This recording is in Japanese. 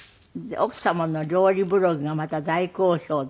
奥様の料理ブログがまた大好評で。